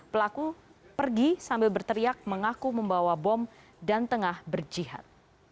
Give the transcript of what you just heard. pelaku pergi sambil berteriak mengaku membawa bom dan tengah berjihad